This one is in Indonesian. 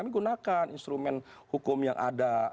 kami gunakan instrumen hukum yang ada